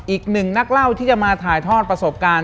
อีกหนึ่งนักเล่าที่จะมาถ่ายทอดประสบการณ์